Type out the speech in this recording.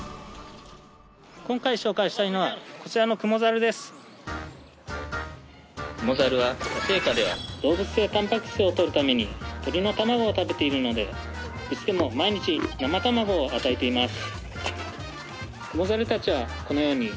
クモザルは野生下では動物性タンパク質をとるために鳥の卵を食べているのでいつでも毎日生卵を与えています